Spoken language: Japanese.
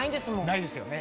ないですよね。